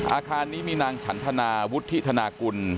อาคารนี้มีนางฉันธนาวุฒิธนากุล